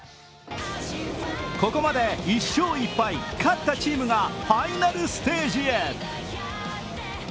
ここまで１勝１敗、勝ったチームがファイナルステージへ。